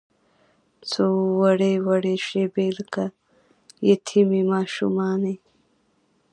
څووړې، وړې شیبې لکه یتیمې ماشومانې